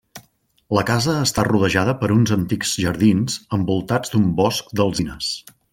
La casa està rodejada per uns antics jardins, envoltats d'un bosc d'alzines.